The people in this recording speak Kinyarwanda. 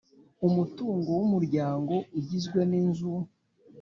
Umutungo w umuryango ugizwe n i nzu